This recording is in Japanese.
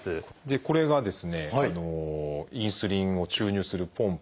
これがですねインスリンを注入するポンプ。